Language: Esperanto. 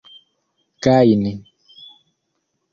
gajni